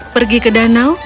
pergi ke danau